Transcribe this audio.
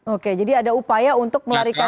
oke jadi ada upaya untuk melarikan